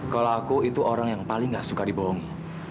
kalau aku itu orang yang paling gak suka dibohongi